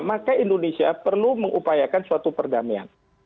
maka indonesia perlu mengupayakan suatu perdamaian